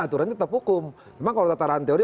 aturan tetap hukum memang kalau tataran teori